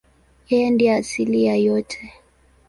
Yeye ndiye asili ya yote.